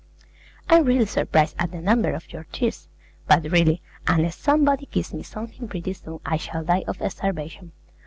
I'm really surprised at the number of your tears; but really, unless somebody gives me something pretty soon I shall die of starvation.